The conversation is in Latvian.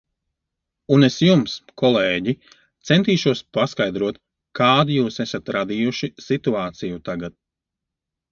Un es jums, kolēģi, centīšos paskaidrot, kādu jūs esat radījuši situāciju tagad.